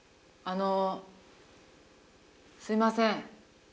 あのすいません。